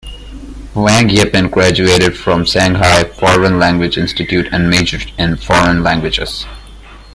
Wang Yeping graduated from Shanghai Foreign Language Institute and majored in foreign languages.